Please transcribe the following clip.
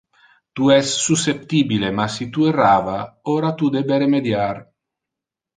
Tu es susceptibile, ma si tu errava, ora tu debe remediar.